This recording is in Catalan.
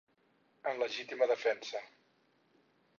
En legítima defensa.